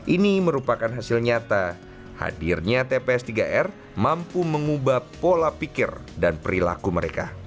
ini merupakan hasil nyata hadirnya tps tiga r mampu mengubah pola pikir dan perilaku mereka